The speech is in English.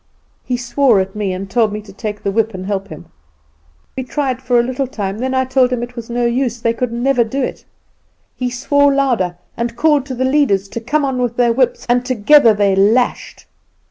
He swore at me, and told me to take the whip and help him. We tried for a little time, then I told him it was no use, they could never do it. He swore louder and called to the leaders to come on with their whips, and together they lashed.